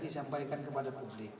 disampaikan kepada publik